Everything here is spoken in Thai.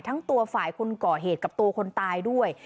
ทั้งตัวฝ่ายคนก่อเหตุกับตัวคนตายด้วย